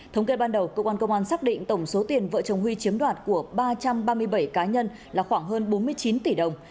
thống kê ban đầu cơ quan công an xác định tổng số tiền vợ chồng huy chiếm đoạt của ba trăm ba mươi bảy cá nhân là khoảng hơn bốn mươi chín tỷ đồng